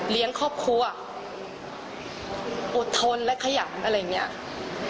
เลี้ยงครอบครัวอดทนและขยันอะไรอย่างนี้